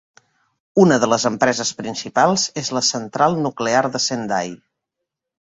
Una de les empreses principals és la central nuclear de Sendai.